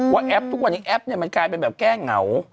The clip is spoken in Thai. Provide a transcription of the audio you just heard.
ว่าแอปทุกวันนี้แอปมันกลายเป็นแบบแก้เหงา